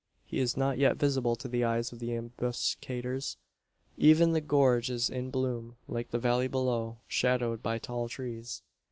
He is not yet visible to the eyes of the ambuscaders. Even the gorge is in gloom like the valley below, shadowed by tall trees.